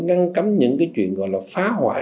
ngăn cấm những cái chuyện gọi là phá hoại